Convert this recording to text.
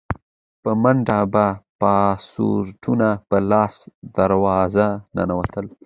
په منډه به پاسپورټونه په لاس دروازه ننوتل.